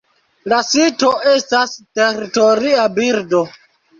La sito estas teritoria birdo.